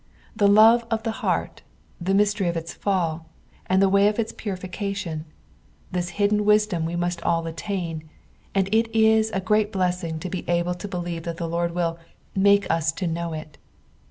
The love of the heart, the mystery of its fall, and the way of its purification — this hidden wisdom we must all attain ; and it ia a great blessing to lie able to believe that the Lord will " make us to linuw it."